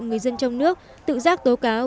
người dân trong nước tự giác tố cáo